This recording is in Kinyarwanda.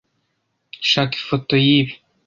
Shaka ifoto yibi.